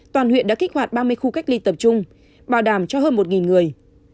toàn huyện đã kích hoạt ba mươi khu cách ly tập trung bảo đảm cho hơn một người